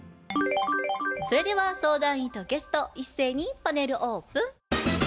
それでは相談員とゲスト一斉にパネルオープン。